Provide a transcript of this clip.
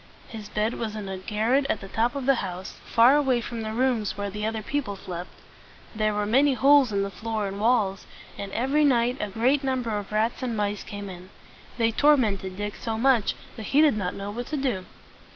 His bed was in a garret at the top of the house, far away from the rooms where the other people slept. There were many holes in the floor and walls, and every night a great number of rats and mice came in. They tor ment ed Dick so much, that he did not know what to do.